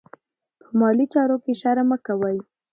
په مالي چارو کې شرم مه کوئ.